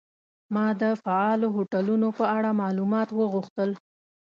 ما د فعالو هوټلونو په اړه معلومات وغوښتل.